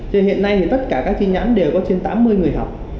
hiện nay thì tất cả các chi nhánh đều có trên tám mươi người học